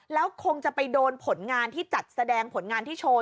แล้วคงจะไปโดนผลงานที่จัดแสดงผลงานที่โชว์